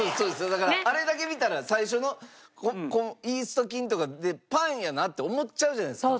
だからあれだけ見たら最初のイースト菌とかでパンやなって思っちゃうじゃないですか。